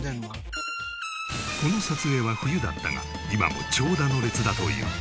この撮影は冬だったが今も長蛇の列だという。